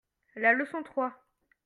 la leçon trois.